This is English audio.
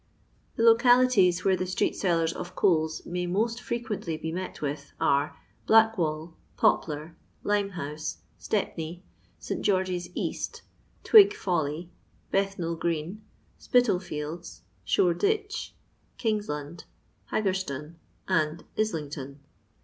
The localities where the street sellers of coals may most frequently be met with, are Blackwnll, Poplar, Limchouse, Stepney, St. George's East, Twig Folly, Bethnal Green, Spitolfields, Shore ditch, Kingsland, Haggerstone, and Islington.